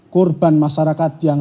korban masyarakat yang